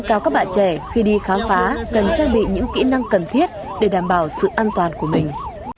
cao các bạn trẻ khi đi khám phá cần trang bị những kỹ năng cần thiết để đảm bảo sự an toàn của mình